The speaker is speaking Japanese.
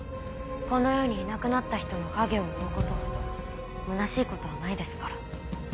この世にいなくなった人の影を追うことほどむなしいことはないですから。